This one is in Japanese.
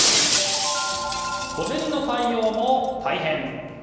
小銭の対応も大変。